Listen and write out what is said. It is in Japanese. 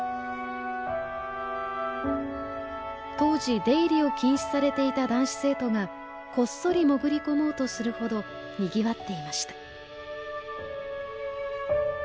当時出入りを禁止されていた男子生徒がこっそり潜り込もうとするほどにぎわっていました。